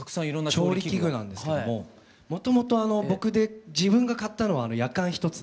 調理器具なんですけどももともと僕で自分が買ったのはやかん一つで。